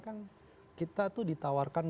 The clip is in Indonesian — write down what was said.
kan kita itu ditawarkan